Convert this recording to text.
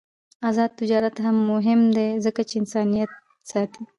آزاد تجارت مهم دی ځکه چې انسانیت ساتي.